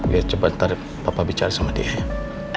biar cepat ntar papa bicara sama dia ya